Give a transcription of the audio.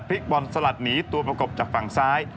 บอลสลัดหนีตัวประกบจากฝั่งซ้าย